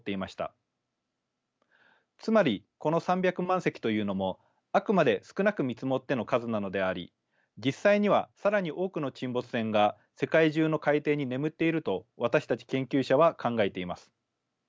つまりこの３００万隻というのもあくまで少なく見積もっての数なのであり実際には更に多くの沈没船が世界中の海底に眠っていると私たち研究者は考えています。